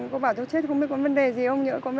cô bảo tôi chết không biết có vấn đề gì không